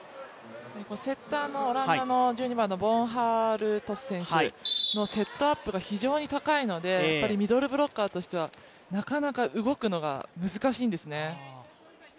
セッターの１２番のボンハールトス選手のセットアップが非常に高いのでミドルブロッカーとしては、なかなか動くのが難しいんですね。